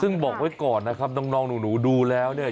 ซึ่งบอกไว้ก่อนนะครับน้องหนูดูแล้วเนี่ย